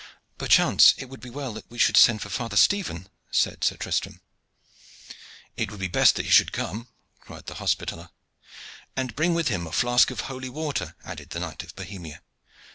"Perchance it would be as well that we should send for Father Stephen," said Sir Tristram. "It would be best that he should come," cried the Hospitaller. "And bring with him a flask of holy water," added the knight of Bohemia.